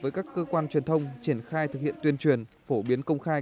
với các cơ quan truyền thông triển khai thực hiện tuyên truyền phổ biến công khai